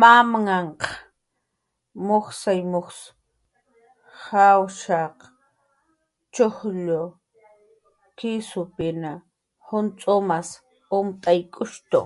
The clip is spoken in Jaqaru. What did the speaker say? Mamanhq mujsay mujs jawasha, chujllu, kisupin juncx'umas umt'aykutu.